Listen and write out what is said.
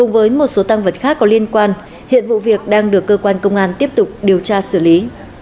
với một số tăng vật khác có liên quan hiện vụ việc đang được cơ quan công an tiếp tục điều tra xử lý